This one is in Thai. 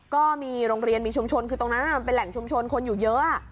ก็มีโรงเรียนมีชุมชนคือตรงนั้นมันเป็นแหล่งชุมชนคนอยู่เยอะ